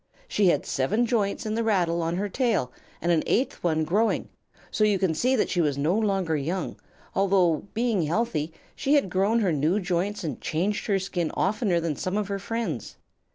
She had seven joints in the rattle on her tail and an eighth one growing, so you can see that she was no longer young, although, being healthy, she had grown her new joints and changed her skin oftener than some of her friends.